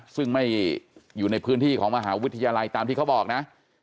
ซึ่งไม่อยู่ในพื้นที่ของมหาวิทยาลัยตามที่เขาบอกนะ